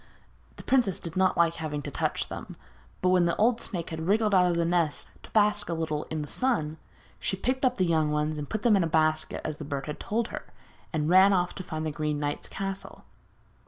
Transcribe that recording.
The princess did not like having to touch them, but when the old snake had wriggled out of the nest to bask a little in the sun, she picked up the young ones and put them in a basket as the bird had told her, and ran off to find the Green Knight's castle.